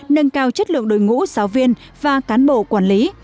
nâng cao chất lượng đội ngũ giáo viên và cán bộ quản lý